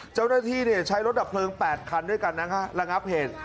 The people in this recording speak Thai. เจ้าหน้าที่ใช้รถดับเพลิง๘คันด้วยกันนะฮะระงับเหตุ